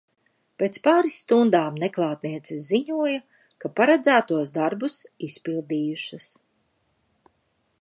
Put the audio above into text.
Pēc pāris stundām neklātnieces ziņoja, ka paredzētos darbus izpildījušas.